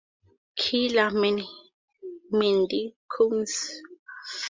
Killer mehndi cones?